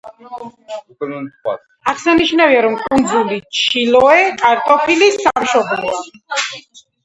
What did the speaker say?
აღსანიშნავია, რომ კუნძული ჩილოე კარტოფილის სამშობლოა.